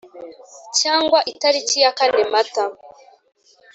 cyangwa itariki ya kane mata